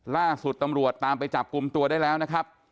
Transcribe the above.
ล่าสุดตำรวจตามไปจับกลุ่มตัวได้แล้วนะครับ